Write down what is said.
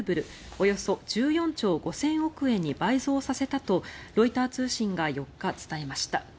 およそ１４兆５０００億円に倍増させたとロイター通信が４日、伝えました。